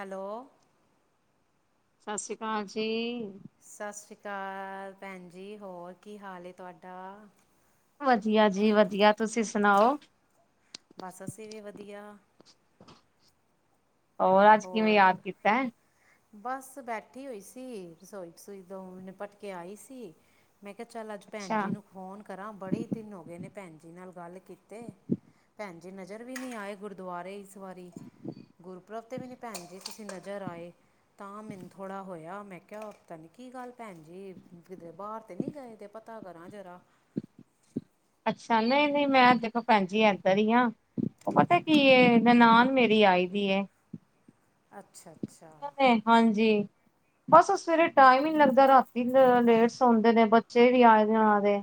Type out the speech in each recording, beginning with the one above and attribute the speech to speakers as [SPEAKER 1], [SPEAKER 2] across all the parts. [SPEAKER 1] Hello
[SPEAKER 2] ਸਤਿ ਸ਼੍ਰੀ ਅਕਾਲ ਜੀ।
[SPEAKER 1] ਸਤਿ ਸ਼੍ਰੀ ਅਕਾਲ ਭੈਣ ਜੀ, ਹੋਰ ਕੀ ਹਾਲ ਐ ਤੁਹਾਡਾ?
[SPEAKER 2] ਵਧੀਆ ਜੀ ਵਧੀਆ ਤੁਸੀਂ ਸੁਣਾਓ?
[SPEAKER 1] ਬਸ ਅਸੀਂ ਵੀ ਵਧੀਆ।
[SPEAKER 2] ਹੋਰ ਅੱਜ ਕਿਵੇਂ ਯਾਦ
[SPEAKER 1] ਹੋਰ
[SPEAKER 2] ਕੀਤਾ ਏ।
[SPEAKER 1] ਬਸ ਬੈਠੀ ਹੋਈ ਸੀ ਰਸੋਈ- ਰਸੋਈ ਦੋ ਮੀਹ ਨਿਪਟਕੇ ਆਈ ਸੀ। ਮੈਂ ਕਿਹਾ ਚੱਲ ਅੱਜ ਭੈਣ
[SPEAKER 2] ਅੱਛਾ
[SPEAKER 1] ਜੀ ਨੂੰ ਫ਼ੋਨ ਕਰਾਂ ਬੜੇ ਈ ਦਿਨ ਹੋ ਗਏ ਨੇ ਭੈਣ ਜੀ ਨਾਲ ਗੱਲ ਕੀਤੇ। ਭੈਣ ਜੀ ਨਜ਼ਰ ਵੀ ਨਹੀਂ ਆਏ ਗੁਰਦੁਆਰੇ ਇਸ ਵਾਰੀ। ਗੁਰਪ੍ਰਰਬ ਤੇ ਵੀ ਨੀ ਭੈਣ ਜੀ ਤੁਸੀਂ ਨਜ਼ਰ ਆਏ। ਤਾਂ ਮੈਨੂੰ ਥੋੜਾ ਹੋਇਆ ਮੈਂ ਕਿਹਾ ਪਤਾ ਨੀ ਕੀ ਗੱਲ ਭੈਣ ਜੀ ਕਿਧਰੇ ਬਾਹਰ ਤੇ ਨੀ ਗਏ ਦੇ, ਇਦੇ ਪ- ਪਤਾ ਕਰਾਂ ਜਰਾ।
[SPEAKER 2] ਅੱਛਾ ਨਹੀਂ- ਨਹੀਂ ਮੈਂ ਦੇਖੋ ਭੈਣ ਜੀ ਇੱਧਰ ਹੀ ਹਾਂ। ਉਹ ਪਤਾ ਕੀ ਏ ਨਨਾਨ ਮੇਰੀ ਆਈ ਦੀ ਏ।
[SPEAKER 1] ਅੱਛਾ- ਅੱਛਾ।
[SPEAKER 2] ਹਾਂਜੀ। ਬਸ ਓ ਸਵੇਰੇ ਟਾਈਮ ਹੀ ਲੱਗਦਾ ਰਾਤੀ ਲੇਟ ਸੌਨਦੇ ਜੇ ਬੱਚੇ ਵੀ ਆਏ ਦੇ ਉਹਨਾਂ ਦੇ।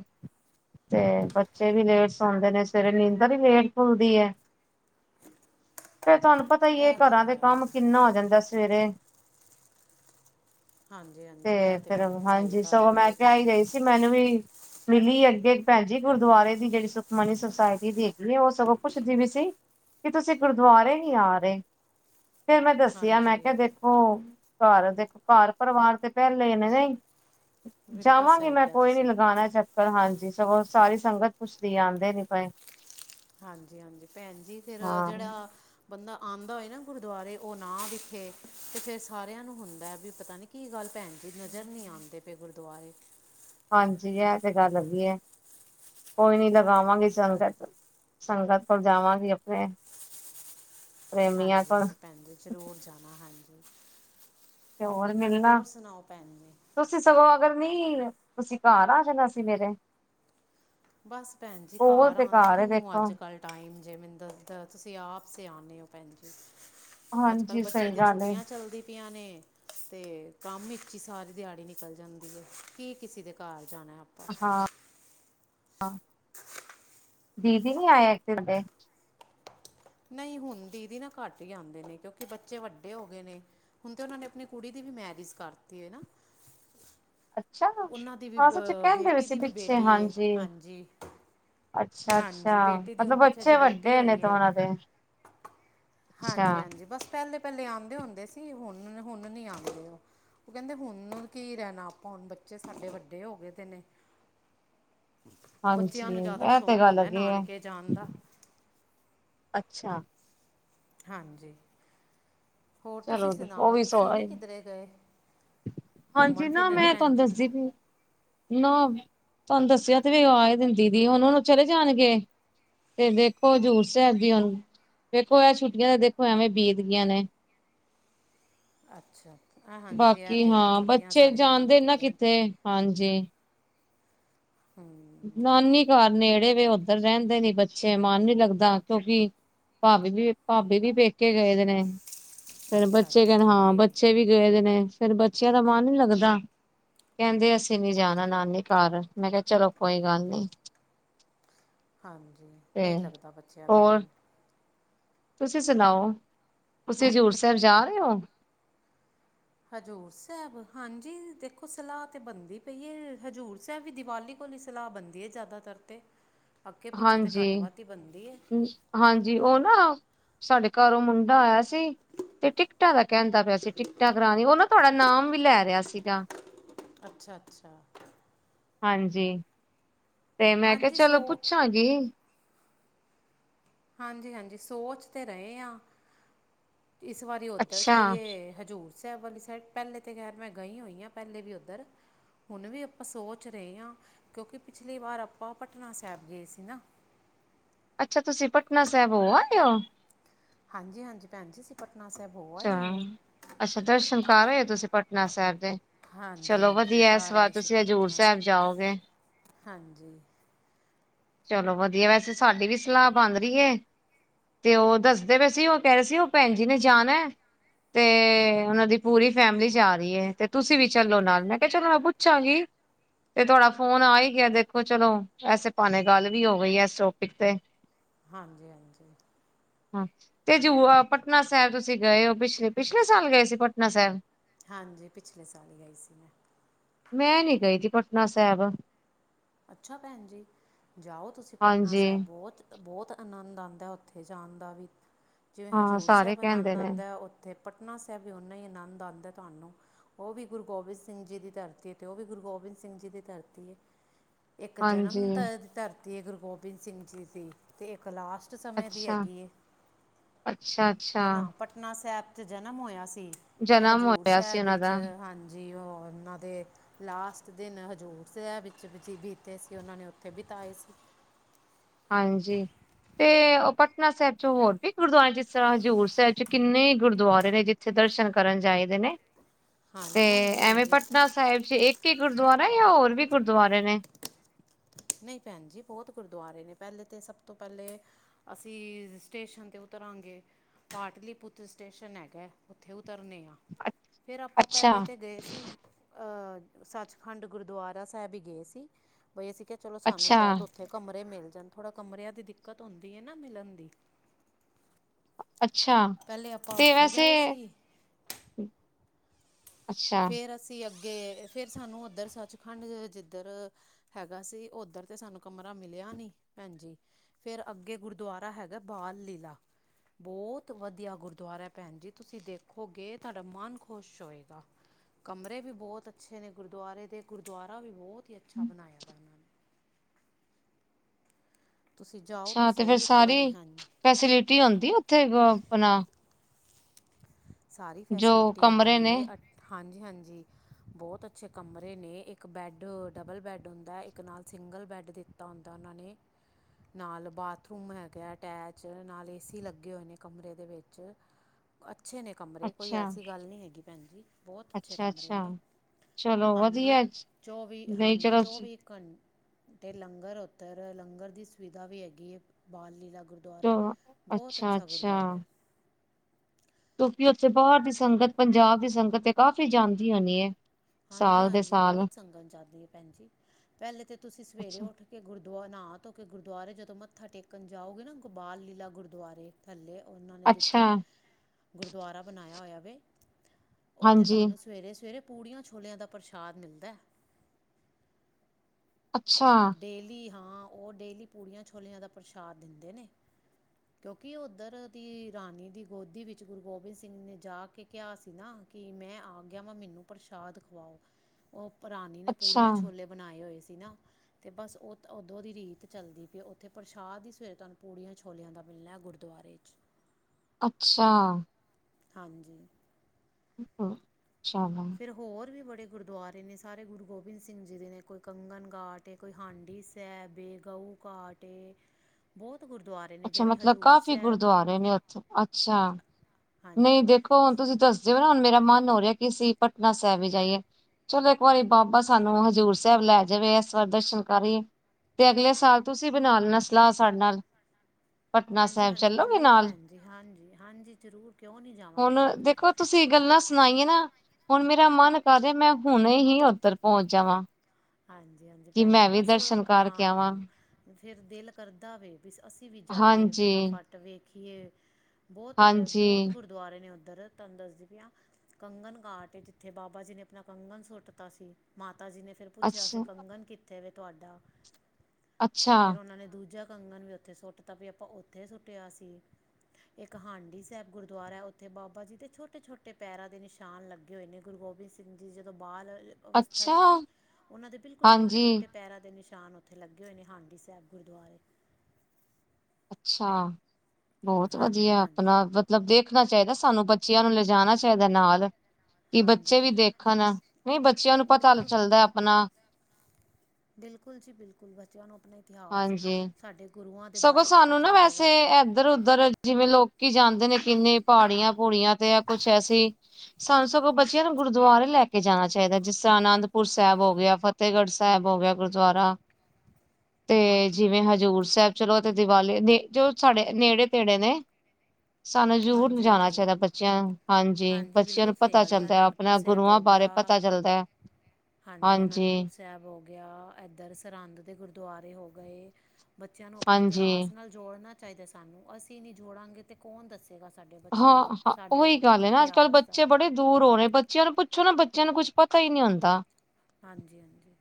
[SPEAKER 2] ਤੇ ਬੱਚੇ ਵੀ ਲੇਟ ਸੌਂਦੇ ਨੇ ਸਵੇਰੇ ਨੀਂਦਰ ਵੀ ਲੇਟ ਖੁੱਲਦੀ ਹੈ। ਫੇਰ ਤੁਹਾਨੂੰ ਪਤਾ ਹੀ ਇਹ
[SPEAKER 1] ਤੇ
[SPEAKER 2] ਘਰਾਂ ਦੇ ਕੰਮ
[SPEAKER 1] ਹੈ
[SPEAKER 2] ਕਿੰਨਾ ਹੋ ਜਾਂਦਾ ਸਵੇਰੇ।
[SPEAKER 1] ਹਾਂਜੀ
[SPEAKER 2] ਤੇ
[SPEAKER 1] ਹਾਂਜੀ ਇਹ
[SPEAKER 2] ਫੇਰ
[SPEAKER 1] ਬਿਲਕੁਲ ਸਹੀ
[SPEAKER 2] ਹਾਂਜੀ
[SPEAKER 1] ਗੱਲ
[SPEAKER 2] ਸਗੋਂ
[SPEAKER 1] ਕਹੀ
[SPEAKER 2] ਮੈਂ
[SPEAKER 1] ਹੈ
[SPEAKER 2] ਕਿਹਾ ਈ
[SPEAKER 1] ਤੁਸੀਂ
[SPEAKER 2] ਰਹੀ ਸੀ ਮੈਨੂੰ ਵੀ, ਮਿਲੀ ਅੱਗੇ ਭੈਣਜੀ ਗੁਰਦੁਆਰੇ ਦੀ ਜਿਹੜੀ ਸੁਖਮਨੀ ਸੁਸਾਇਟੀ ਦੀ ਹੈਗੀ ਹੈ ਉਹ ਸਗੋਂ ਕੁੱਛਦੀ ਵੀ ਸੀ। ਕਿ ਤੁਸੀਂ ਗੁਰਦੁਆਰੇ ਨਹੀਂ ਆ ਰਹੇ, ਫੇਰ ਮੈਂ ਦੱਸਿਆ ਮੈਂ-
[SPEAKER 1] ਹਾਂਜੀ
[SPEAKER 2] ਹਾਂ ਘਰ ਦੇਖੋ ਘਰ ਪਰਿਵਾਰ ਤੇ ਪੈਲੇ ਨੇ ਨਈ।
[SPEAKER 1] ਬਿਲਕੁਲ
[SPEAKER 2] ਜਾਵਾਂਗੀ
[SPEAKER 1] ਸਹੀ
[SPEAKER 2] ਮੈਂ
[SPEAKER 1] ਕਿਹਾ
[SPEAKER 2] ਕੋਈ ਨੀ
[SPEAKER 1] ਤੁਸੀਂ
[SPEAKER 2] ਲਗਾਣਾ ਚੱਕ- ਕਰ ਹਾਂਜੀ ਸਗੋਂ ਸਾਰੀ ਸੰਗਤ ਪੁੱਛਦੀ ਏ ਆਉਂਦੇ ਨੀ ਪਏ।
[SPEAKER 1] ਹਾਂਜੀ- ਹਾਂਜੀ ਭੈਣ ਜੀ ਫੇਰ
[SPEAKER 2] ਹਾਂ
[SPEAKER 1] ਜਿਹੜਾ- ਬੰਦਾ ਆਉਂਦਾ ਹੋਏ ਨਾ ਗੁਰਦੁਆਰੇ ਉਹ ਨਾ ਵਿਖੇ ਤੇ ਫੇਰ ਸਾਰਿਆਂ ਨੂੰ ਹੁੰਦਾ ਵੀ ਪਤਾ ਨੀ, ਕੀ ਗੱਲ ਭੈਣ ਜੀ ਨਜ਼ਰ ਨਹੀਂ ਆਉਂਦੇ ਪਏ ਗੁਰਦੁਆਰੇ।
[SPEAKER 2] ਹਾਂਜੀ ਏ ਤੇ ਗੱਲ ਹੈਗੀ ਹੈ। ਕੋਈ ਨੀ ਲਗਾਵਾਂਗੀ ਸੰਗਤ, ਸੰਗਤ ਕੋਲ ਜਾਵਾਂਗੀ ਆਪਣੇ। ਪ੍ਰੇਮੀਆਂ
[SPEAKER 1] ਹਾਂਜੀ-
[SPEAKER 2] ਕੋਲ
[SPEAKER 1] ਹਾਂਜੀ ਭੈਣ ਜੀ ਜ਼ਰੂਰ ਜਾਣਾ, ਹਾਂਜੀ।
[SPEAKER 2] ਤੇ ਹੋਰ ਮਿਲਣਾ।
[SPEAKER 1] ਹੋਰ ਸੁਣਾਓ ਭੈਣ ਜੀ
[SPEAKER 2] ਤੁਸੀਂ ਸਗੋਂ ਅਗਰ ਨਹੀਂ, ਤੁਸੀਂ ਘਰ ਆ ਜਾਣਾ ਸੀ ਮੇਰੇ।
[SPEAKER 1] ਬਸ ਭੈਣ ਜੀ
[SPEAKER 2] ਕੋਲ
[SPEAKER 1] ਘਾਰ
[SPEAKER 2] ਤੇ
[SPEAKER 1] ਆਉਣਂ ਦਾ
[SPEAKER 2] ਘਰ ਏ
[SPEAKER 1] ਕਿੰਨੂੰ
[SPEAKER 2] ਦੇਖੋ
[SPEAKER 1] ਅੱਜ ਕੱਲ- ਟਾਈਮ ਜੇ ਮੈਨੂੰ ਦੱਸਦੋ ਤੁਸੀਂ ਆਪ ਸਿਆਣੇ ਹੋ ਭੈਣ ਜੀ। ਅੱਜ ਕੱਲ
[SPEAKER 2] ਹਾਂਜੀ
[SPEAKER 1] ਬੱਚਿਆਂ
[SPEAKER 2] ਸਹੀ
[SPEAKER 1] ਦੀ
[SPEAKER 2] ਗੱਲ ਏ
[SPEAKER 1] ਛੁੱਟੀਆਂ ਚੱਲਦੀ ਪਿਆਂ ਨੇ, ਤੇ ਕੰਮ ਵਿੱਚ ਹੀ ਸਾਰੀ ਦਿਹਾੜੀ ਨਿਕਲ ਜਾਂਦੀ ਹੈ, ਕੀ ਕਿਸੇ ਦੇ ਘਰ ਜਾਣਾ ਏ।
[SPEAKER 2] ਹਾਂ। ਹਾਂ ਦੀਦੀ ਨੀ ਆਇ [unintelligible]
[SPEAKER 1] ਨਹੀਂ ਹੁਣ ਦੀਦੀ ਨਾ ਘੱਟ ਹੀ ਆਉਂਦੇ ਨੇ ਕਿਉਂਕਿ ਬੱਚੇ ਵੱਡੇ ਹੋ ਗਏ ਨੇ। ਹੁਣ ਤਾਂ ਉਹਨਾਂ ਨੇ ਆਪਣੀ ਕੁੜੀ ਦੀ ਵੀ ਮੈਰਿਜ ਕਰਤੀ ਹੈ ਨਾ।
[SPEAKER 2] ਅੱਛਾ
[SPEAKER 1] ਉਹਨਾਂ ਦੀ ਵੀ
[SPEAKER 2] ਹਾਂ ਸੱਚ
[SPEAKER 1] ਅ
[SPEAKER 2] ਕਹਿੰਦੇ
[SPEAKER 1] ਬੇਟੀ
[SPEAKER 2] ਸੀ
[SPEAKER 1] ਦੀ ਵੀ
[SPEAKER 2] ਪਿੱਛੇ
[SPEAKER 1] ਬੇਟੀ ਏ, ਹਾਂਜੀ।
[SPEAKER 2] ਅੱਛਾ ਅੱਛਾ
[SPEAKER 1] ਹਾਂਜੀ ਬੇਟੀ ਦੀ ਹੁਣ
[SPEAKER 2] ਮਤਲਬ
[SPEAKER 1] ਪਿੱਛੇ ਜੇ
[SPEAKER 2] ਬੱਚੇ
[SPEAKER 1] ਬੇਟੀ
[SPEAKER 2] ਵੱਡੇ ਨੇ
[SPEAKER 1] ਹੋਈ
[SPEAKER 2] ਤੇ
[SPEAKER 1] ਏ।
[SPEAKER 2] ਉਹਨਾਂ ਦੇ ਅੱਛਾ
[SPEAKER 1] ਹਾਂਜੀ- ਹਾਂਜੀ ਬਸ ਪਹਿਲੇ- ਪਹਿਲੇ ਆਉਂਦੇ ਹੁੰਦੇ ਸੀ ਹੁਣ, ਹੁਣ ਨਹੀਂ ਆਉਂਦੇ ਉਹ। ਓ ਕੈੰਦੇ ਹੁਣ ਕੀ ਰੈਣਾ ਆਪਾ ਹੁਣ ਬੱਚੇ ਸਾਡੇ ਵੱਡੇ ਹੋਗੇ ਤੇ ਨੇ ਬੱਚੇਆ
[SPEAKER 2] ਹਾਂਜੀ
[SPEAKER 1] ਨੂੰ ਜਾਦਾ
[SPEAKER 2] ਇਹ ਤੇ
[SPEAKER 1] ਸ਼ੌਕ
[SPEAKER 2] ਗੱਲ
[SPEAKER 1] ਹੁੰਦਾ
[SPEAKER 2] ਹੈਗੀ ਏ
[SPEAKER 1] ਨਾਨਕੇ ਜਾਣ ਦਾ
[SPEAKER 2] ਅੱਛਾ
[SPEAKER 1] ਹਾਂਜੀ ਹੋਰ
[SPEAKER 2] ਚਲੋ
[SPEAKER 1] ਤੁਸੀ
[SPEAKER 2] ਉਹ
[SPEAKER 1] ਸਣਾਓ
[SPEAKER 2] ਵੀ ਸੋ
[SPEAKER 1] ਤੁਸੀਂ ਨੀ
[SPEAKER 2] ਆਏ
[SPEAKER 1] ਕਿਧਰੇ ਗਏ
[SPEAKER 2] ਹਾਂਜੀ
[SPEAKER 1] ਘੁੰਮਣ
[SPEAKER 2] ਨਾ
[SPEAKER 1] ਫਿਰਨ
[SPEAKER 2] ਮੈਂ
[SPEAKER 1] ਭੈਣ
[SPEAKER 2] ਤਵਾਨੂੰ
[SPEAKER 1] ਜੀ
[SPEAKER 2] ਦਸਦੀ ਪੀ ਨਾ, ਤਵਾਨੂੰ ਦੱਸੇਆ ਤੇ ਵੀ ਆਏ ਦਿਣ ਦਿੰਦੀ ਓ ਨੂੰ ਚਲੇ ਜਾਣਗੇ ਤੇ ਦੇਖੋ ਜੂੂਰ ਸੈਬ ਜਿਨਾ ਨੂੰ, ਦੇੇਖੋ ਐ ਛੁੱਟੀਆ ਤੇ ਦੇਖੋ ਐਵੇਂ ਬੀਤ ਗਿਆ ਨੇ
[SPEAKER 1] ਅੱਛਾ, ਆ ਹ ਹਾਂਜੀ ਐ
[SPEAKER 2] ਬਾਕੀ
[SPEAKER 1] ਤੇ ਐ
[SPEAKER 2] ਹਾਂ
[SPEAKER 1] ਛੁੱਟੀਆ
[SPEAKER 2] ਬੱਚੇ
[SPEAKER 1] ਸਾਰੀਆ
[SPEAKER 2] ਜਾਣਦੇ
[SPEAKER 1] ਬੀਤ
[SPEAKER 2] ਨਾ
[SPEAKER 1] ਗੇਆ
[SPEAKER 2] ਕਿੱਥੇ ਹਾਂਜੀ
[SPEAKER 1] ਹੂੰ
[SPEAKER 2] ਨਾਨੀ ਕਾਰ ਨੇ ਜੜੇ ਵੇ ਓਧਰ ਰੈੰਦੇ ਨੀ ਬੱਚੇ ਮਨ ਨੀ ਲੱਗਦਾ ਕੇਉਕਿ ਭਾਬੀ ਵੀ ਭਾਬੀ ਵੀ ਪੇਕੇ ਗਏ ਦੇ ਨੇ, ਫੇਰ
[SPEAKER 1] ਅੱਛਾ
[SPEAKER 2] ਬੱਚੇ ਕੈੰਣੇ
[SPEAKER 1] ਅੱਛਾ
[SPEAKER 2] ਹਾਂ
[SPEAKER 1] ਠੀਕ
[SPEAKER 2] ਬੱਚੇ
[SPEAKER 1] ਹੈ
[SPEAKER 2] ਵੀ ਗੇ ਦੇ ਨੇ ਫੇਰ ਬੱਚੇਆ ਦਾ ਮੱਨ ਨੀ ਲੱਗਦਾ, ਕੈੰਦੇ ਅਸੀ ਨੀ ਜਾਣਾ ਨਾਨੀ ਘੱਰ ਮੈ ਕੇਆ ਚਲੋ ਕੋਈ ਗੱਲ ਨੀ
[SPEAKER 1] ਹਾਂਜੀ
[SPEAKER 2] ਤੇ
[SPEAKER 1] ਨਈ ਲੱਗਦਾ ਬੱਚੇਆ ਦਾ ਮੱਨ
[SPEAKER 2] ਤੁਸੀ ਸੁਣਾਓ, ਤੁਸੀਂ ਜ਼ੂਰ ਸੈਬ ਜਾ ਰੇ ਓ
[SPEAKER 1] ਹਜ਼ੂਰ ਸੈਬ, ਹਾਂਜੀ ਦੇਖੋ ਸਲਾ ਤੇ ਬਣਦੀ ਪਿਏ, [unintelligible] ਹਜ਼ੂਰ ਸੈਬ ਵੀ ਦੀਵਾਲੀ ਕੋਣੀ ਸਲਾ ਬਣਦੀ ਏ ਜਾਦਾਤਰ ਤੇ, ਅੱਗੇ-ਪਿੱਛੇ ਤੇ
[SPEAKER 2] ਹਾਂਜੀ
[SPEAKER 1] ਘੱਟ-ਵੱਧ ਈ ਬਣਦੀ ਏ
[SPEAKER 2] ਹਾਂਜੀ ਓ ਨਾ, ਸਾਡੇ ਘੱਰ ਓ ਮੁੰਡਾ ਆਯਾ ਸੀ ਤੇ ਟਿਕਟਾ ਦਾ ਕੈੰਦਾ ਪੇਆ ਸੀ ਟਿਕਟਾਂ ਕਰਾ ਦੀ ਓ ਨਾ ਤੁਵਾਡਾ ਨਾਮ ਵੀ ਲੈ ਰਰਆ ਸੀਗਾ
[SPEAKER 1] ਅੱਛਾ-ਅੱਛਾ
[SPEAKER 2] ਹਾਂਜੀ, ਤੇ ਮੈਂ ਕੇਆ
[SPEAKER 1] ਹਾਂਜੀ ਸੋ
[SPEAKER 2] ਚਲੋ ਪੁੱਛਾਗੀ
[SPEAKER 1] ਹਾਂਜੀ-ਹਾਂਜੀ ਸੋਚ ਤੇ ਰੇਆ, ਇਸ ਵਾਰੀ ਓਧਰ
[SPEAKER 2] ਅੱਛਾ।
[SPEAKER 1] ਜਾਈਏ ਹਜ਼ੂਰ ਸੈਬ ਵਾਲੀ ਸੈਡ ਪੈਲੇ ਤਾਂ ਖੈਰ ਮੈਂ ਗਈ ਹੋਈ ਆ ਪੈਲੇੇ ਵੀ ਓਧਰ ਹੁਣ ਵੀ ਆਪਾ ਸੋਚ ਰੇਆ, ਕੇਉਕਿ ਪਿਛਲੀ ਵਾਰ ਆਪਾ ਪਟਨਾ ਸੈਬ ਗੇ ਸੀ ਨਾ
[SPEAKER 2] ਅੱਛਾ ਤੁਸੀਂ ਪਟਨਾ ਸੈਬ ਹੋ ਆਏ ਓ
[SPEAKER 1] ਹਾਂਜੀ-ਹਾਂਜੀ ਭੈਣ ਜੀ ਅਸੀਂਪਟਨਾ ਸੈਬ
[SPEAKER 2] ਚਾ, ਅੱਛਾ ਦਰਸ਼ਨ ਕੱਰ ਆਏ ਓ ਤੁਸੀ ਪਟਨਾ ਸੈਬ ਦੇ
[SPEAKER 1] ਹਾਂਜੀ
[SPEAKER 2] ਚਲੋ
[SPEAKER 1] ਹਾਂਜੀ
[SPEAKER 2] ਵਧੀਆ ਇਸ
[SPEAKER 1] ਘਰ
[SPEAKER 2] ਵਾਰ
[SPEAKER 1] ਆਏ ਸੀ
[SPEAKER 2] ਤੁਸੀਂ ਹਜ਼ੂਰ
[SPEAKER 1] ਪਟਨਾ
[SPEAKER 2] ਸੈਬ
[SPEAKER 1] ਸਾਹਿਬ
[SPEAKER 2] ਜਾਓ ਗੇ
[SPEAKER 1] ਹਾਂਜੀ
[SPEAKER 2] ਚਲੋ ਵਧੀਆ ਵੈਸੇ ਸਾਡੀ ਵੀ ਸਲਾ ਬਾਣ ਰੀ ਏ ਤੇ ਓ ਦੱਸਦੇ ਪੇਸੀ ਓ ਕੈਰੇ ਸੀ ਓ ਭੈਣ ਜੀ ਨੇ ਜਾਣੈ
[SPEAKER 1] [inaudible]
[SPEAKER 2] ਤੇ ਓਨਾਂ ਦੀ ਪੂਰੀ ਫੈਮਿਲੀ ਜਾ ਰਿਏ, ਤੇ ਤੁਸੀ ਵੀ ਚੱਲੋ ਨਾਲ ਮੈਂ ਕੇਆ ਚਲੋ ਮੈਂ ਪੁੱਛਾਗੀ ਤੇ ਤਵਾਡਾ ਫੋਨ ਆ ਈ ਗੇਆ ਦੇਖੋ ਚਲੋ, ਐਸੇ ਭਾਣੇ ਗੱਲ ਵੀ ਓਗੀ ੲੈਸ ਟੋਪਿਕ ਤੇ
[SPEAKER 1] ਹਾਂਜੀ-ਹਾਂਜੀ
[SPEAKER 2] ਹਾਂ, ਤੇ ਜੁਆ ਪਟਨਾ ਸੈਬ ਚ ਗਏ ਓ ਪਿਛਲੇ-ਪਿਛਲੇ ਸਾਲ ਗਏ ਸੀ, ਪਟਨਾ ਸੈਬ
[SPEAKER 1] ਹਾਂਜੀ ਪਿਛਲੇ ਸਾਲ ਈ ਗਈ ਸੀ ਮੈ
[SPEAKER 2] ਮੈ ਨੀ ਗਈ ਜੀ ਪਟਨਾ ਸੈਬ
[SPEAKER 1] ਅੱਛਾ ਭੈਣ ਜੀ, ਜਾਓ ਤੁਸੀ ਪਟਨਾ
[SPEAKER 2] ਹਾਂਜੀ
[SPEAKER 1] ਸੈਬ ਬੋਤ ਬੋਤ ਆਨੰਦ ਆਦਾ ਓਥੇ ਜਾਣ ਦਾ ਵੀ, ਜਿਵੇਂ
[SPEAKER 2] ਹਾਂ
[SPEAKER 1] ਹਜ਼ੂਰ
[SPEAKER 2] ਸਾਰੇ
[SPEAKER 1] ਸੈਬ
[SPEAKER 2] ਕਹਿੰਦੇ
[SPEAKER 1] ਆਨੰਦ
[SPEAKER 2] ਨੇ।
[SPEAKER 1] ਆਦਾ ਓ ਤੇ ਪਟਨਾ ਸੈਬ ਵੀ ਓਨਾ ਈ ਆਨਦ ਆਦਾ ਤਵਾਨੂੰ ਓ ਵੀ ਗੁਰੂ ਗੋਬਿੰਦ ਸਿੰਘ ਜੀ ਦੀ ਧਰਤੀ ਤੇ ਓ ਵੀ ਗੁਰੂ ਗੋਬਿੰਦ ਸਿੰਘ ਜੀ ਦੀ ਧਰਤੀ ਏ ਏਕ
[SPEAKER 2] ਹਾਂਜੀ
[SPEAKER 1] ਜਨਮ ਤ ਦੀ ਧਰਤੀ ਗੁਰੂ ਗੋਬਿੰਦ ਸਿੰਘ ਜੀ, ਤੇ ਏਕ ਲਾਸਟ ਸਮੇਂ ਦੀ
[SPEAKER 2] ਅੱਛਾ
[SPEAKER 1] ਹੈਗੀ ਏ
[SPEAKER 2] ਅੱਛਾ ਅੱਛਾ
[SPEAKER 1] ਹਨਾ ਪੱਠ ਪਟਨਾ ਸਾਹਿਬ ਚ ਜਨਮ ਹੋਇਆ ਸੀ ਤੇ
[SPEAKER 2] ਜਨਮ
[SPEAKER 1] ਹਜ਼ੂਰ
[SPEAKER 2] ਹੋਇਆ ਸੀ
[SPEAKER 1] ਸਾਹਿਬ
[SPEAKER 2] ਉਹਨਾਂ
[SPEAKER 1] ਵਿੱਚ
[SPEAKER 2] ਦਾ।
[SPEAKER 1] ਹਾਂਜ ਜੀ ਉਹ ਉਹਨਾਂ ਦੇ ਲਾਸਟ ਦਿਨ ਹਜ਼ੂਰ ਸਾਹਿਬ ਵਿੱਚ [unintelligible] ਤੇ ਅਸੀ ਉਹਨਾਂ ਨੇ ਉੱਥੇ ਬਿਤਾਏ ਸੀ
[SPEAKER 2] ਹਾਂਜੀ ਤੇ ਉਹ ਪਟਨਾ ਸਾਹਿਬ ਚ ਹੋਰ ਵੀ ਗੁਰਦਆਰੇ ਜਿਸ ਤਰ੍ਹਾਂ ਹਜ਼ੂਰ ਸਾਹਿਬ ਚ ਕਿੰਨੇ ਹੀ ਗੁਰਦੁਆਰੇ ਨੇ ਜੇ ਚ ਦਰਸ਼ਨ ਕਰਨ ਜਾਈਦੇ ਨੇ ਤੇ
[SPEAKER 1] ਹਾਂਜੀ ਹਾਂਜੀ ਭੈਣ
[SPEAKER 2] ਐਵੇਂ
[SPEAKER 1] ਜੀ
[SPEAKER 2] ਪਟਨਾ ਸਾਹਿਬ ਚ ਇੱਕ ਹੀ ਗੁਰਦੁਆਰਾ ਯਾ ਹੋਰ ਵੀ ਗੁਰਦੁਆਰੇ ਨੇ
[SPEAKER 1] ਨਹੀਂ ਭੈਣ ਜੀ ਬਹੁਤ ਗੁਰਦੁਆਰੇ ਨੇ ਪਹਿਲੇ ਤੇ ਸਭਤੋਂ ਪਹਿਲੇ ਅਸੀਂ ਸਟੇਸ਼ਨ ਤੇ ਉਤਰਾਂਗੇ ਪਾਟਲੀ ਪੁੁੱਤ ਸਟੇਸ਼ਨ ਹੈਗਾ ਉੱਥੇ ਉਤਰਨੇ ਆ ਫੇਰ ਆਪਾਂ
[SPEAKER 2] ਅੱਛਾ
[SPEAKER 1] ਪਹਿਲੇ ਤੇ ਗਏ ਸੀ ਅਹ ਸੱਚਖੰਡ ਗੁਰਦੁਆਰਾ ਸਾਹਿਬ ਹੀ ਗਏ ਸੀ ਬਈ ਅਸੀ ਕਿਹਾ ਚਲੋ ਸਾਨੂੰ
[SPEAKER 2] ਅੱਛਾ
[SPEAKER 1] ਸ਼ਾਇਦ ਉੱ ਥੇ ਕਮਰੇ ਮਿਲ ਜਾਣ ਥੋੜ੍ਹਾ ਕਮਰਿਆਂ ਦੀ ਦਿੱਕਤ ਹੋਂਦੀ ਹੈ ਨਾ ਮਿਲਣ ਦੀ
[SPEAKER 2] ਅੱਛਾ
[SPEAKER 1] ਪਹਿਲੇ ਆਪਾਂ
[SPEAKER 2] ਤੇ
[SPEAKER 1] ਉੱਥੇ
[SPEAKER 2] ਵੈਸੇ
[SPEAKER 1] ਗਏ ਸੀ
[SPEAKER 2] ਅੱਛਾ
[SPEAKER 1] ਫੇਰ ਅਸੀਂ ਅੱਗੇ ਫੇਰ ਸਾਨੂੰ ਉੱਧਰ ਸੱਚਖੰਡ ਜਿੱਧਰ ਹੈਗਾ ਸੀ ਉੱਧਰ ਤੇ ਸਾਨੂੰ ਕਮਰਾ ਮਿਲਿਆ ਨਹੀਂ ਭੈਣ ਜੀ ਫੇਰ ਅੱਗੇ ਗੁਰਦੁਆਰਾ ਹੈਗਾ ਬਾਲ ਲੀਲਾ ਬਹੁਤ ਵਧੀਆ ਗੁਰਦੁਆਰਾ ਹੈ ਭੈਣ ਜੀ ਤੁਸੀਂ ਦੇਖੋਗੇ ਤੁਹਾਡਾ ਮਨ ਖੁਸ਼ ਹੋਏਗਾ ਕਮਰੇ ਵੀ ਬਹੁਤ ਅੱਛੇ ਨੇ ਗੁਰਦੁਆਰੇ ਦੇ ਗੁਰਦੁਆਰਾ ਵੀ ਬਹੁਤ ਹੀ ਅੱਛਾ ਬਣਾਇਆ ਦਾ ਉਹਨਾਂ ਨੇ ਤੁਸੀਂ ਜਾਓ ਤਾਂ ਸਹੀ ਇੱਕ ਵਾਰੀ ਹਾਂਜੀ
[SPEAKER 2] ਪੈਸਿਲਿਟੀ ਹੋਂਦੀ ਏ ਉੱਥੇ [unintelligible] ਆਪਣਾ
[SPEAKER 1] ਸਾਰੀ
[SPEAKER 2] ਜੋ
[SPEAKER 1] ਫੈਸਿਲਿਟੀ
[SPEAKER 2] ਕਮਰੇ
[SPEAKER 1] ਹੈਗੀ
[SPEAKER 2] ਨੇ
[SPEAKER 1] ਹੈ ਅਟ ਹਾਂਜੀ ਹਾਂਜੀ ਬਹੁਤ ਅੱਛੇ ਕਮਰੇ ਨੇ ਇੱਕ ਬੈੱਡ ਡਬਲ ਬੈੱਡ ਹੁੰਦਾ ਇੱਕ ਨਾਲ ਸਿੰਗਲ ਬੈੱਡ ਦਿੱ [unintelligible] ਨੇ ਨਾਲ ਬਾਥਰੂਮ ਹੈਗਾ ਅਟੈਚ ਨਾਲ ਏ ਸੀ ਲੱਗੇ ਹੋਏ ਨੇ ਕਮਰੇ ਦੇ ਵਿੱਚ ਅੱਛੇ ਨੇ ਕਮਰੇ ਕੋਈ
[SPEAKER 2] ਅੱਛਾ
[SPEAKER 1] ਐਸੀ ਗੱਲ ਨਹੀਂ ਹੈਗੀ ਭੈਣ ਜੀ ਬਹੁਤ ਅੱਛੇ
[SPEAKER 2] ਅੱਛਾ
[SPEAKER 1] ਕਮਰੇ
[SPEAKER 2] ਅੱਛਾ
[SPEAKER 1] ਨੇ
[SPEAKER 2] ਚਲੋ
[SPEAKER 1] ਹਾਂਜੀ
[SPEAKER 2] ਵਧੀਆ
[SPEAKER 1] ਚੌਵੀ
[SPEAKER 2] ਨਹੀਂ
[SPEAKER 1] ਹਾਂਜੀ
[SPEAKER 2] ਚਲੋ
[SPEAKER 1] ਚੌਵੀ ਘੰ ਟੇ ਲੰਗਰ ਉੱਤਰ ਲੰਗਰ ਦੀ ਸੁਵਿਧਾ ਵੀ ਹੈਗੀ ਹੈ ਬਾਲ ਲੀਲਾ ਗੁਰੂ ਦੁਆਰੇ ਬਹੁਤ ਅੱਛਾ ਗੁਰਦੁਆਰਾ ਹੈ
[SPEAKER 2] [unintelligible] ਉੱਥੇ ਬਾਹਰ ਦੀ ਸੰਗਤ ਪੰਜਾਬ ਦੀ ਸੰਗਤ ਤੇ ਕਾਫ਼ੀ ਜਾਂਦੀ ਹੋਨੀ ਹੈ
[SPEAKER 1] ਹਾਂਜੀ
[SPEAKER 2] ਸਾਲ ਦੇ
[SPEAKER 1] ਹਾਂਜੀ
[SPEAKER 2] ਸਾਲ
[SPEAKER 1] ਬਹੁਤ ਸੰਗਤ [unintelligible] ਹੈ ਭੈਣ ਜੀ ਪਹਿਲੇ ਤੇ ਤੁਸੀਂ ਸਵੇਰੇ
[SPEAKER 2] ਅੱਛਾ
[SPEAKER 1] ਉੱਠ ਕਿ ਗੁਰਦੁਆ ਨਾਹ ਧੋ ਕੇ ਗੁਰਦੁਆਰੇ ਜਦੋਂ ਮੱਥਾ ਟੇਕਨ ਜਾਓਗੇ ਨਾ ਗੋਬਾਲ ਲੀਲਾ ਗੁਰਦੁਆਰੇ ਥੱਲੇ ਉਹਨਾਂ ਨੇ
[SPEAKER 2] ਅੱਛਾ
[SPEAKER 1] ਜਿੱਥੇ ਗੁਰਦੁਆਰਾ ਬਣਾਇਆ ਹੋਇਆ ਵੇ ਉੱਥੇ
[SPEAKER 2] ਹਾਂਜੀ
[SPEAKER 1] ਤੁਹਾਨੂੰ ਸਵੇਰੇ ਸਵੇਰੇ ਪੂੜੀਆਂ ਛੋਲਿਆਂ ਦਾ ਪ੍ਰਸ਼ਾਦ ਮਿਲਦੈ
[SPEAKER 2] ਅੱਛਾ
[SPEAKER 1] ਡੇਲੀ ਹਾਂ ਉਹ ਡੇਲੀ ਪੂੜੀਆਂ ਛੋਲਿਆਂ ਦਾ ਪ੍ਰਸ਼ਾਦ ਦਿੰਦੇ ਨੇ ਕਿਉਂਕਿ ਉੱਧਰ ਦੀ ਰਾਣੀ ਦੀ ਗੋਦੀ ਵਿੱਚ ਗੁਰੂ ਗੋਬਿੰਦ ਸਿੰਘ ਨੇ ਜਾ ਕੇ ਕਿਹਾ ਸੀ ਨਾ ਕਿ ਮੈਂ ਆ ਗਿਆ ਵਾਂ ਮਿਨੂੰ ਪ੍ਰਸ਼ਾਦ ਖਵਾਓ ਉਹ ਪ ਰਾਣੀ ਨੇ
[SPEAKER 2] ਅੱਛਾ
[SPEAKER 1] ਪੂੜੀਆਂ ਛੋਲੇ ਬਣਾਏ ਹੋਏ ਸੀ ਨਾ ਤੇ ਬਸ ਉਹ ਤ ਓਦੋਂ ਦੀ ਰੀਤ ਚੱਲਦੀ ਪੀ ਹੈ ਉੱਥੇ ਪ੍ਰਸਾ਼ਦ ਹੀ ਸਵੇਰੇ ਤੁਹਾਨੂੰ ਪੂੜੀਆਂ ਛੋਲਿਆਂ ਦਾ ਮਿਲਣਾ ਗੁੜ ਦੁਆਰੇ ਚ
[SPEAKER 2] ਅੱਛਾ
[SPEAKER 1] ਹਾਂਜੀ
[SPEAKER 2] ਹੂੰ, ਅੱਛਾ।
[SPEAKER 1] ਫਿਰ ਹੋਰ ਵੀ ਬੜੇ ਗੁਰਦੁਆਰੇ ਨੇ ਸਾਰੇ ਗੁਰੂ ਗੋਬਿੰਦ ਸਿੰਘ ਜੀ ਦੇ ਨੇ ਕੋਈ ਕੰਗਨ ਘਾਟ ਏ। ਕੋਈ ਹਾਂਡੀ ਸਹਿ ਬੇ, ਗਊ ਘਾਟ ਏ ਬਹੁਤ ਗੁਰਦੁਆਰੇ ਨੇ
[SPEAKER 2] ਅੱਛਾ,
[SPEAKER 1] ਜਿਵੇਂ
[SPEAKER 2] ਮਤਲਬ
[SPEAKER 1] ਹਜ਼ੂਰ
[SPEAKER 2] ਕਾਫ਼ੀ
[SPEAKER 1] ਸਾਹਿਬ
[SPEAKER 2] ਗੁਰਦੁਆਰੇ ਨੇ ਉੱਥੇ ਅੱਛਾ। ਨਹੀਂ,
[SPEAKER 1] ਹਾਂਜੀ
[SPEAKER 2] ਦੇਖੋ ਹੁਣ ਤੁਸੀਂ ਦੱਸ ਦਿਓ ਨਾ ਹੁਣ ਮੇਰਾ ਮਨ ਹੋ ਰਿਹਾ ਕਿ ਅਸੀਂ ਪਟਨਾ ਸਾਹਿਬ ਵੀ ਜਾਈਏ। ਚਲੋ ਇੱਕ ਵਾਰੀ ਬਾਬਾ ਸਾਨੂੰ ਹਜ਼ੂਰ ਸਾਹਿਬ ਲੈ ਜਾਵੇ, ਇਸ ਵਾਰ ਦਰਸ਼ਨ ਕਰੀਏ। ਤੇ ਅਗਲੇ ਸਾਲ ਤੁਸੀਂ ਬਣਾ ਲੈਨਾ, ਸਲਾਹ ਸਾਡੇ ਨਾਲ ਪਟਨਾ ਸਾਹਿਬ ਚੱਲੋਗੇ ਨਾਲ।
[SPEAKER 1] ਹਾਂਜੀ-ਹਾਂਜੀ, ਜਰੂਰ ਕਿਉਂ ਨੀ।
[SPEAKER 2] ਹੁਣ ਦੇਖੋ ਤੁਸੀਂ ਗੱਲਾਂ ਸੁਣਾਈਏ ਨਾ ਹੁਣ ਮੇਰਾ ਮਨ ਕਰਰਿਆ ਮੈਂ ਹੁਣੇ ਹੀ ਉੱਧਰ ਪਹੁੰਚ ਜਾਵਾਂ।
[SPEAKER 1] ਹਾਂਜੀ-ਹਾਂਜੀ
[SPEAKER 2] ਕਿ
[SPEAKER 1] ਭੈਣ ਜੀ
[SPEAKER 2] ਮੈਂ ਵੀ
[SPEAKER 1] ਬਸ
[SPEAKER 2] ਦਰਸ਼ਨ ਕਰਕੇ ਆਵਾਂ
[SPEAKER 1] ਹਾਂ। ਫਿਰ ਦਿਲ ਕਰਦਾ ਵੇ ਵੀ ਅਸੀਂ ਵੀ ਜਾਈਏ
[SPEAKER 2] ਹਾਂਜੀ
[SPEAKER 1] ਫਟਾ-ਫਟ ਵੇਖ ਖੀਏ ਬਹੁਤ-
[SPEAKER 2] ਹਾਂਜੀ
[SPEAKER 1] ਬਹੁਤ ਗੁਰਦੁਆਰੇ ਨੇ ਉੱਧਰ ਤੁਹਾਨੂੰ ਦੱਸਦੀ ਪਿਆ। ਕੰਗਨ ਘਾਟ ਏ ਜਿੱਥੇ ਬਾਬਾ ਜੀ ਨੇ ਆਪਣਾ ਕੰਗਣ ਸੁੱਟਤਾ ਸੀ ਮਾਤਾ ਜੀ ਨੇ ਫਿਰ ਪੁੱਛਿਆ ਸੀ
[SPEAKER 2] ਅੱਛਾ
[SPEAKER 1] ਕੰਗਣ ਕਿੱਥੇ ਵੇ ਤੁਹਾਡਾ
[SPEAKER 2] ਅੱਛਾ
[SPEAKER 1] ਫੇਿਰ ਉਹਨਾਂ ਨੇ ਦੂਜਾ ਕੰਗਣ ਵੀ ਉ ਉੱਥੇ ਸੁੱਟ ਤਾਂ ਵੀ ਆਪਾਂ ਉੱਥੇ ਸੁਟਿਆ ਸੀ। ਇੱਕ ਹਾਂਡੀ ਸਾਹਿਬ ਗੁਰਦੁਆਰਾ ਹੈ ਉੱਥੇ ਬਾਬਾ ਜੀ ਦੇ ਛੋਟੇ-ਛੋਟੇ ਪੈਰਾਂ ਦੇ ਨਿਸ਼ਾਨ ਲੱਗੇ ਹੋਏ ਨੇ ਗੁਰੂ ਗੋਬਿੰਦ ਸਿੰਘ ਸਿੰਘ ਜੀ ਜਦੋਂ ਬਾਲ ਅਵਸਥਾ
[SPEAKER 2] ਅੱਛਾ
[SPEAKER 1] ਚ ਸੀ ਉਨਾਂ ਦੇ ਬਿਲਕੁਲ
[SPEAKER 2] ਹਾਂਜੀ
[SPEAKER 1] ਛੋਟੇ-ਛੋਟੇ ਪੈਰਾਂ ਦੇ ਨਿਸ਼ਾਨ ਉੱਥੇ ਲੱਗੇ ਹੋਏ ਨੇ ਹਾਂਡੀ ਸਾਹਿਬ ਗੁਰਦੁਆਰੇ।
[SPEAKER 2] ਅੱਛਾ, ਬਹੁਤ
[SPEAKER 1] ਹਾਂਜੀ
[SPEAKER 2] ਵਧੀਆ
[SPEAKER 1] ਭੈਣ ਜੀ।
[SPEAKER 2] ਆਪਣਾ ਮਤਲਬ ਦੇਖਣਾ ਚਾਹੀਦਾ ਸਾਨੂੰ ਬੱਚਿਆਂ ਨੂੰ ਲਿਜਾਣਾ ਚਾਹੀਦਾ ਨਾਲ ਕਿ ਬੱਚੇ
[SPEAKER 1] ਹਾਂਜੀ
[SPEAKER 2] ਵੀ ਦੇਖਣ ਨੀ ਬੱਚਿਆਂ ਨੂੰ ਪਤਾ
[SPEAKER 1] ਬਿਲਕੁਲ
[SPEAKER 2] ਚੱਲਦਾ ਆਪਣਾ
[SPEAKER 1] ਬਿਲਕੁਲ ਜੀ ਬਿਲਕੁਲ, ਬੱਚਿਆਂ ਨੂੰ ਆਪਣਾ ਇਤਿਹਾਸ
[SPEAKER 2] ਹਾਂਜੀ
[SPEAKER 1] ਸਾਡੇ ਗੁਰੂਆਂ ਦੇ ਬਾਰੇ ਪਤਾ ਚੱਲੇਗਾ।
[SPEAKER 2] ਇੱਧਰ-ਉੱਧਰ ਜਿਵੇਂ ਲੋਕੀ ਜਾਂਦੇ ਨੇ ਕਿੰਨੇ ਪਹਾੜੀਆਂ-ਪੂੜੀਆਂ ਤੇ ਆ ਕੁਛ ਐਸੀ ਸਾਨੂੰ ਸਗੋਂ ਬਚਿਆ ਨੂੰ ਗੁਰਦੁਆਰੇ ਲੈ ਕੇ ਜਾਣਾ ਚਾਹੀਦਾ ਜਿਸ ਤਰ ਅ ਆਨੰਦਪੁਰ ਸਾਹਿਬ ਹੋ ਗਿਆ ਫਤ ਫਤਿਹਗੜ੍ਹ ਸਾਹਿਬ ਹੋ ਗਿਆ ਗੁਰਦੁਆਰਾ ਤੇ ਜਿਵੇਂ ਹਜ਼ੂਰ ਸਾਹਿਬ। ਚਲੋ ਤੇ ਦੀਵਾਲੀ ਨੇ ਜੋ ਸਾਡੇ ਨੇੜੇ-ਤੇੜੇ ਨੇ ਸਾਨੂੰ ਜ਼ਰੂਰ ਜਾਣਾ
[SPEAKER 1] ਹਾਂਜੀ-ਹਾਂਜੀ।
[SPEAKER 2] ਚਾਹੀਦਾ ਬੱਚ ਬੱਚਿਆਂ, ਹਾਂਜੀ ਬੱਚਿਆਂ
[SPEAKER 1] ਬਿਲਕੁਲ
[SPEAKER 2] ਨੂੰ
[SPEAKER 1] ਸਹੀ
[SPEAKER 2] ਪਤਾ
[SPEAKER 1] ਗੱਲ ਹੈ
[SPEAKER 2] ਚੱਲਦਾ
[SPEAKER 1] ਅਨੰਦਪੁਰ
[SPEAKER 2] ਆਪਣਾ
[SPEAKER 1] ਸਾਹਿਬ
[SPEAKER 2] ਗੁਰੂਆਂ
[SPEAKER 1] ਹੋ
[SPEAKER 2] ਬਾਰੇ
[SPEAKER 1] ਗਿਆ
[SPEAKER 2] ਪਤਾ ਚੱਲਦਾ ਏ।
[SPEAKER 1] ਹਾਂਜੀ, ਅਨੰਦਪੁਰ ਸਾਹਿਬ ਹੋ ਗਿਆ, ਇੱਧਰ ਸਰਹੰਦ ਦੇ ਗੁਰਦੁਆਰੇ ਹੋ ਗਏ ਬੱਚਿਆਂ ਨੂੰ ਆਪਣੇ
[SPEAKER 2] ਹਾਂਜੀ
[SPEAKER 1] ਇਤਿਹਾਸ ਨਾਲ ਜੋੜਨਾ ਚਾਹੀਦਾ ਸਾਨੂੰ ਅਸੀਂ ਨਹੀਂ ਜੋੜਾਂਗੇ ਤਾਂ ਕੌਣ ਦੱਸੇਗਾ ਸਾਡੇ ਬੱਚਿਆਂ ਨੂੰ ਸਾਡੇ
[SPEAKER 2] ਨਾਲਗ ਨਾ ਅੱਜ-ਕੱਲ੍ਹ
[SPEAKER 1] ਇਤਿਹਾਸ ਦਾ
[SPEAKER 2] ਬੱਚੇ ਬੜੇ ਦੂਰ ਹੋਰੇ, ਬੱਚਿਆਂ ਨੂੰ ਪੁੱਛੋ ਨਾ ਬੱਚਿਆਂ ਨੂੰ ਕੁੱਛ ਪਤਾ ਹੀ ਨਹੀਂ ਹੁੰਦਾ।
[SPEAKER 1] ਹਾਂਜੀ-ਹਾਂਜੀ।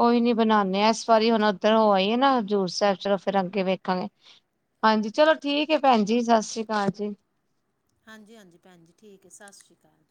[SPEAKER 2] ਕੋਈ ਨੀ ਬਣਾਨੇ ਆ ਇਸ ਵਾਰੀ ਹੁਣ ਓਧਰ ਹੋ ਆਈਏ ਨਾ ਹਜ਼ੂਰ ਸਾਹਿਬ, ਚਲੋ ਫਿਰ ਅੱਗੇ ਵੇਖਾਂਗੇ। ਹਾਂਜੀ, ਚਲੋ ਠੀਕ ਹੈ ਭੈਣ ਜੀ ਸਤਿ ਸ੍ਰੀ ਅਕਾਲ ਜੀ।
[SPEAKER 1] ਹਾਂਜੀ-ਹਾਂਜੀ ਭੈਣ ਜੀ, ਠੀਕ ਹੈ ਸਤਿ ਸ਼੍ਰੀ ਅਕਾਲ।